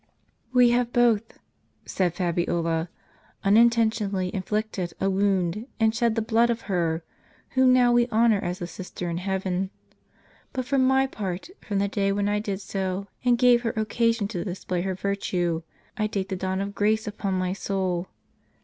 "We have both," said Fabiola, "unintentionally inflicted a wound, and shed the blood of her, whom now we honor as a sister in heaven. But for my part, from the day when I did so, and gave her occasion to display her virtue, I date the dawn of grace upon my soul.